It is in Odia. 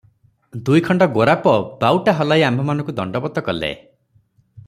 ଦୁଇଖଣ୍ଡ ଗୋରାପ ବାଉଟା ହଲାଇ ଆମ୍ଭମାନଙ୍କୁ ଦଣ୍ଡବତ କଲେ ।